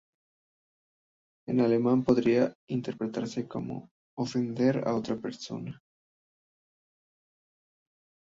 En alemán podría interpretarse como "ofender a una persona".